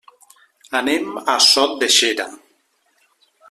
Anem a Sot de Xera.